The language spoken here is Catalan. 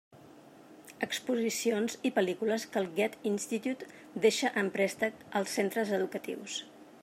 Exposicions i pel·lícules que el Goethe-Institut deixa en préstec als centres educatius.